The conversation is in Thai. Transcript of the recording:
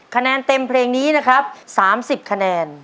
คะแนนเต็มเพลงนี้นะครับ๓๐คะแนน